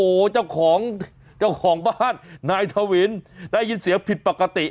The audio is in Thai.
โอ้โหเจ้าของเจ้าของบ้านนายทวินได้ยินเสียงผิดปกติ